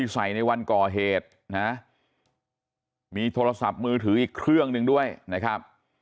ใส่ในวันก่อเหตุนะมีโทรศัพท์มือถืออีกเครื่องหนึ่งด้วยนะครับ